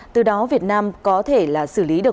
từ đó việt nam có thể xử lý được